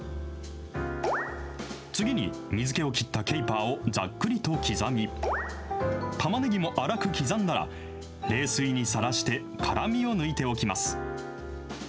次に水気を切ったケイパーをざっくりと刻み、たまねぎも粗く刻んだら、冷水にさらして、辛みを抜いておきます。